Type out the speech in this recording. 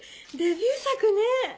デビュー作ね。